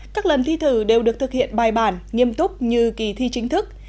các lần thi thử đều được thực hiện bài bản nghiêm túc như kỳ thi chính thức